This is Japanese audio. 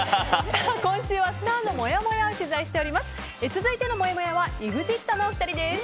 今週はスターのもやもやを取材しております。